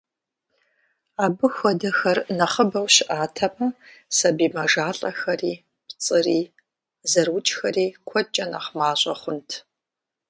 Абы хуэдэхэр нэхъыбэу щыӏатэмэ, сабий мэжалӏэхэри, пцӏыри, зэрыукӏхэри куэдкӏэ нэхъ мащӏэ хъунт.